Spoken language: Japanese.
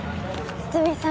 堤さん？